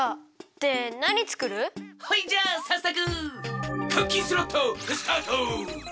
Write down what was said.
でなにつくる？ほいじゃあさっそくクッキンスロットスタート！